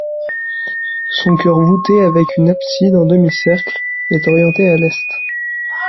Son chœur voûté avec une abside en demi-cercle, est orienté à l'est.